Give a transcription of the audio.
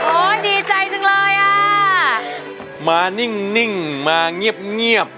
โอ้ยดีใจจังเลยอ่ะมานิ่งนิ่งมาเงียบเงียบ